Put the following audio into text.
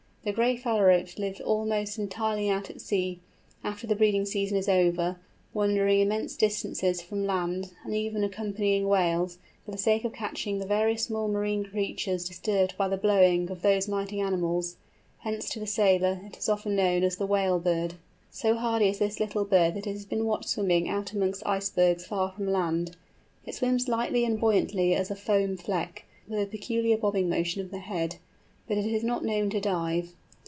The Gray Phalarope lives almost entirely out at sea, after the breeding season is over, wandering immense distances from land, and even accompanying whales, for the sake of catching the various small marine creatures disturbed by the "blowing" of those mighty animals—hence to the sailor it is often known as the "Whale Bird." So hardy is this little bird, that it has been watched swimming about amongst icebergs far from land. It swims lightly and buoyantly as a foam fleck, with a peculiar bobbing motion of the head, but it is not known to dive.